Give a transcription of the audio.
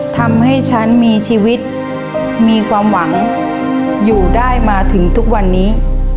ทำให้ฉันมีชีวิตมีความหวังอยู่ได้มาถึงทุกวันนี้